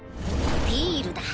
ビールだ。